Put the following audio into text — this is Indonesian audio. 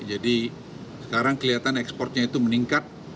jadi sekarang kelihatan ekspornya itu meningkat